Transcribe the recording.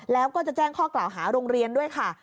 แล้วก็จะแจ้งข้อกล่าวหาโรงเรียนด้วยค่ะ